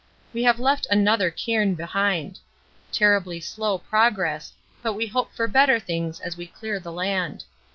We have left another cairn behind. Terribly slow progress, but we hope for better things as we clear the land.